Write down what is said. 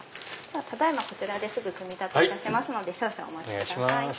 ただ今こちらで組み立てますので少々お待ちください。